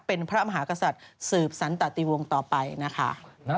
เป็นพระมหากษัตริย์สืบสันตติวงศ์ต่อไปนะคะ